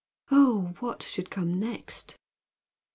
Oh, what should come next?